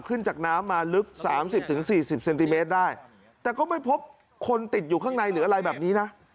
ขึ้นจากน้ำมาลึกสามสิบถึงสี่สิบเซนติเมตรได้แต่ก็ไม่พบคนติดอยู่ข้างในหรืออะไรแบบนี้นะ